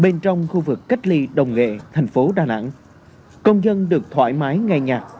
bên trong khu vực cách ly đồng nghệ thành phố đà nẵng công dân được thoải mái nghe nhạc